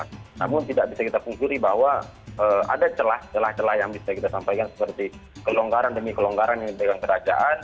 namun tidak bisa kita pungkiri bahwa ada celah celah celah yang bisa kita sampaikan seperti kelonggaran demi kelonggaran yang dipegang kerajaan